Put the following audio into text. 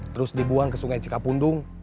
terus dibuang ke sungai cikapundung